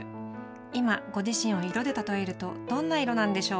今、ご自身を色で例えるとどんな色なんでしょう。